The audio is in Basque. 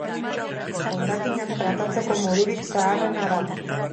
Hondakinak tratatzeko modurik zaharrena da.